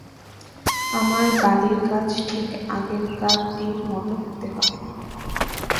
আমার বালির কাজ ঠিক আগেকারটির মতো হতে হবে।